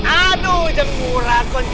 aduh janggulah koncay